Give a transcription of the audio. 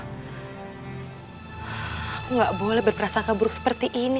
aku gak boleh berperasaan keburuk seperti ini